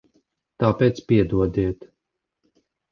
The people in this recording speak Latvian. Tāpēc piedodiet.